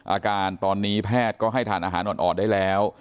อาการตอนนี้แพทย์ก็ให้ทานอาหารอ่อนได้แล้ว